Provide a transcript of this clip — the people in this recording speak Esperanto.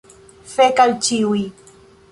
Fek al ĉiuj.